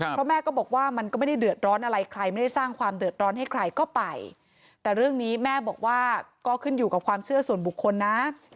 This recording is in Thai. เพราะแม่ก็บอกว่ามันก็ไม่ได้เดือดร้อนอะไรใครไม่ได้สร้างความเดือดร้อนให้ใครก็ไปแต่เรื่องนี้แม่บอกว่าก็ขึ้นอยู่กับความเชื่อส่วนบุคคลนะ